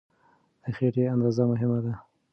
د خېټې اندازه مهمه ده.